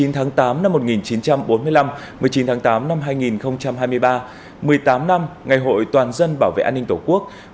một mươi tháng tám năm một nghìn chín trăm bốn mươi năm một mươi chín tháng tám năm hai nghìn hai mươi ba một mươi tám năm ngày hội toàn dân bảo vệ an ninh tổ quốc